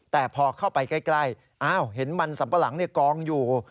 แต่พอเข้าไปใกล้เห็นมันสัมปะหลังกองอยู่